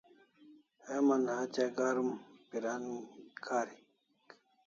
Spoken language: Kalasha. Heman hatya garum piran karik